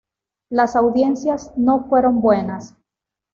Las audiencias no fueron buenas.